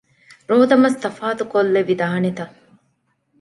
ރޯދަމަސް ތަފާތުކޮށްލެވިދާނެތަ؟